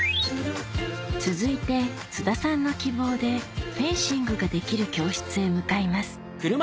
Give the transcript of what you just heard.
続いて津田さんの希望でフェンシングができる教室へ向かいます